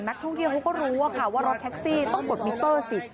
นักท่องเที่ยวเขาก็รู้ว่ารถแท็กซี่ต้องกดมิเตอร์สิ